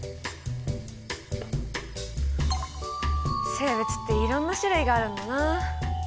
生物っていろんな種類があるんだな。